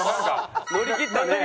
乗り切ったね。